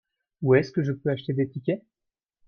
Où est-ce que je peux acheter des tickets ?